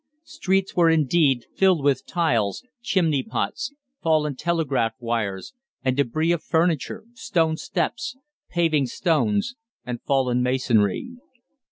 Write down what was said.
Streets were indeed, filled with tiles, chimney pots, fallen telegraph wires, and débris of furniture, stone steps, paving stones, and fallen masonry.